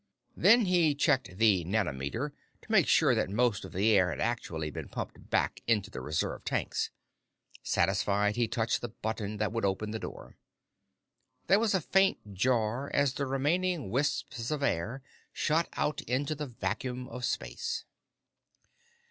Then he checked the manometer to make sure that most of the air had actually been pumped back into the reserve tanks. Satisfied, he touched the button that would open the door. There was a faint jar as the remaining wisps of air shot out into the vacuum of space.